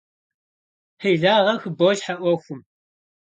Хьилагъэ хыболъхьэ Ӏуэхум!